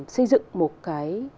xây dựng một cái